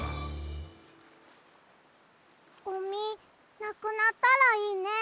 ゴミなくなったらいいね。